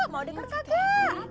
mau dekar kagak